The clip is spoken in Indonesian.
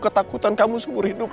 ketakutan kamu seumur hidup